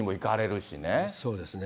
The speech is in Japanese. そうですね。